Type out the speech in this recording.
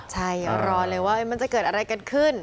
ใช่รอเลยว่ามันจะเกิดอะไรกันขึ้น